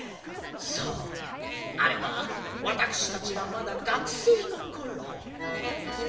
そうあれはわたくしたちがまだ学生のころ。